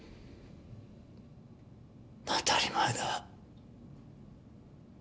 当たり前だ。